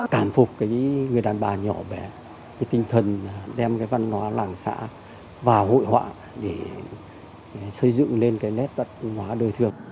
cảm phục người đàn bà nhỏ bé tinh thần đem văn hóa làng xã vào hội họa để xây dựng lên nét văn hóa đời thương